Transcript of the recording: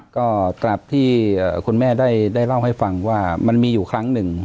ก็กลับที่คุณแม่ได้เล่าให้ฟังว่ามันมีอยู่ครั้งหนึ่ง